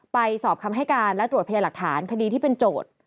ไปสอบคำให้การและตรวจพยาหลักฐานคดีที่เป็นโจทย์